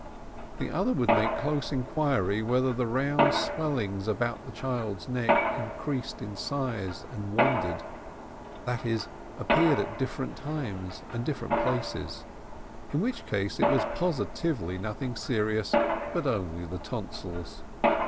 The other would make close inquiry whether the round swellings about the child's neck increased in size and wandered, that is, appeared at different times and different places, in which case it was positively nothing serious, but only the tonsils.